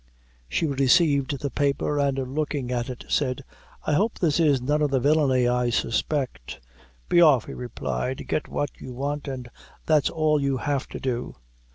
She received the paper, and looking at it, said "I hope this is none of the villainy I suspect." "Be off," he replied, "get what you want, and that's all you have to do."